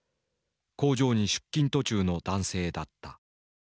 工場に出勤途中の男性だった。